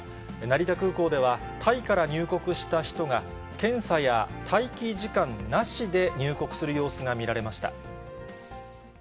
成田空港では、タイから入国した人が、検査や待機時間なしで入国する様子が見られました。